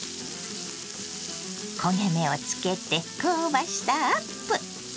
焦げ目をつけて香ばしさアップ！